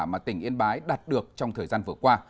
mà tỉnh yên bái đạt được trong thời gian vừa qua